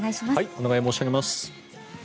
お願い申し上げます。